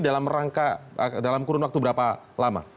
dalam kurun waktu berapa lama